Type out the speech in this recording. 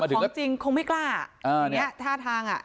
แต่เจอของจริงคงไม่กล้าอย่างนี้ท่าทาง